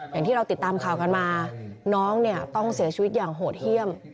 อย่างที่เราติดตามข่าวกันมาน้องเนี่ยต้องเสียชีวิตอย่างโหดเยี่ยม